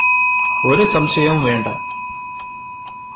ഒരു സംശയവും വേണ്ട.